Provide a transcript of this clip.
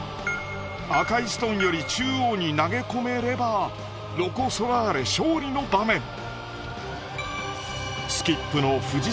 赤いストーンより中央に投げ込めればロコ・ソラーレ勝利の場面。